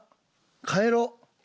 帰ろう。